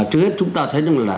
trước hết chúng ta thấy rằng là